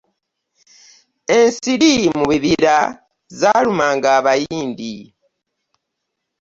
Ensiri mu bibira zaalumanga abayindi.